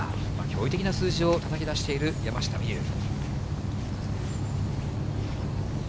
驚異的な数字をたたき出している、山下美夢有。